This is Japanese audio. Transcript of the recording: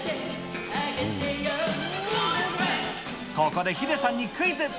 ここでヒデさんにクイズ。